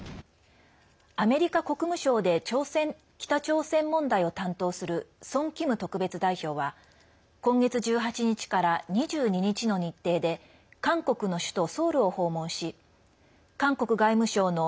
アメリカ国務省で北朝鮮問題を担当するソン・キム特別代表は今月１８日から２２日の日程で韓国の首都ソウルを訪問し韓国外務省の